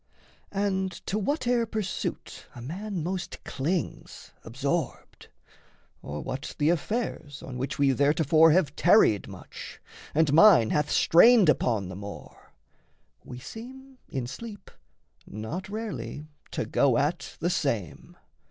And to whate'er pursuit A man most clings absorbed, or what the affairs On which we theretofore have tarried much, And mind hath strained upon the more, we seem In sleep not rarely to go at the same.